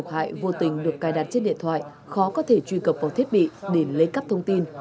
các thiết bị vô tình được cài đặt trên điện thoại khó có thể truy cập vào thiết bị để lấy cắp thông tin